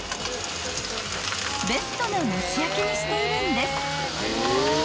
［ベストな蒸し焼きにしているんです］